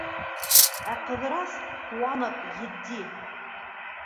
Ә Ҡыҙырас, ҡыуанып, етди: